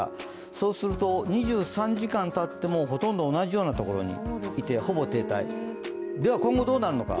そうすると、２３時間たってもほとんど同じようなところにいてほぼ停滞、では今後どうなるのか。